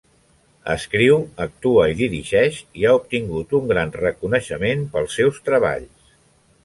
Escriu, actua i dirigeix, i ha obtingut un gran reconeixement pels seus treballs.